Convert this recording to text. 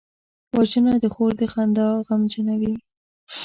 وژنه د خور د خندا غمجنوي